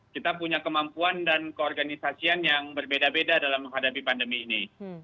kita punya kemampuan dan keorganisasian yang berbeda beda dalam menghadapi pandemi ini